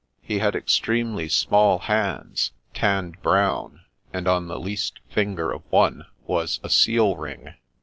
He had extremely small hands, tanned brown, and on the least finger of one was a seal ring.